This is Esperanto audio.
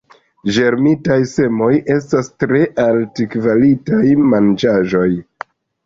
Ĝermitaj semoj estas tre altkvalita manĝaĵo.